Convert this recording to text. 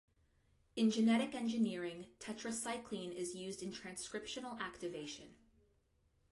In genetic engineering, tetracycline is used in transcriptional activation.